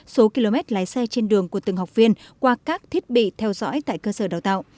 số km lái xe trên đường của từng học viên qua các thiết bị theo dõi tại cơ sở đào tạo